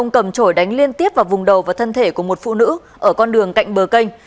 nguyễn ngọc khoa đã đánh liên tiếp vào vùng đầu và thân thể của một phụ nữ ở con đường cạnh bờ canh